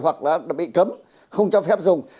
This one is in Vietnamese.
hoặc là đã bị cấm không cho phép dùng